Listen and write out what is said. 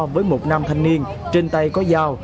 với một nam thanh niên trên tay có dao